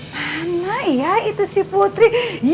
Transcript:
mana ya itu sih putri